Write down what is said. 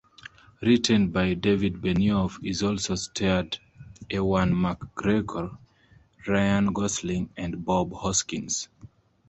Written by David Benioff, it also starred Ewan McGregor, Ryan Gosling and Bob Hoskins.